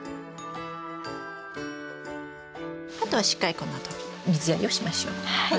あとはしっかりこのあと水やりをしましょう。